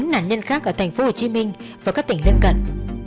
bốn nạn nhân khác ở thành phố hồ chí minh và các tỉnh lên cận